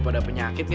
yaudah balik aja